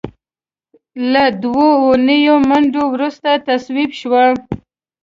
له دوو اونیو منډو وروسته تصویب شوه.